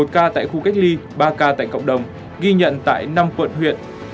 một mươi một ca tại khu cách ly ba ca tại cộng đồng ghi nhận tại năm quận huyện